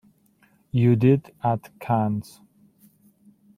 You did at Cannes.